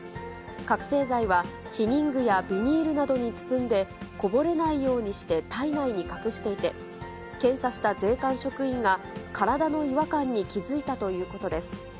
覚醒剤は避妊具やビニールなどに包んで、こぼれないようにして体内に隠していて、検査した税関職員が体の違和感に気付いたということです。